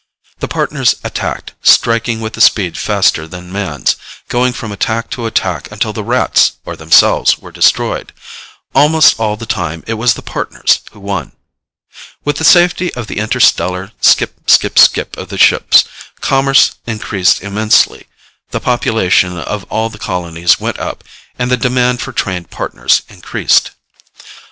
The Partners attacked, striking with a speed faster than Man's, going from attack to attack until the Rats or themselves were destroyed. Almost all the time, it was the Partners who won. With the safety of the inter stellar skip, skip, skip of the ships, commerce increased immensely, the population of all the colonies went up, and the demand for trained Partners increased.